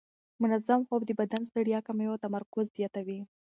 منظم خوب د بدن ستړیا کموي او تمرکز زیاتوي.